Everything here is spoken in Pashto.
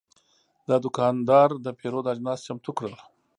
دا دوکاندار د پیرود اجناس چمتو کړل.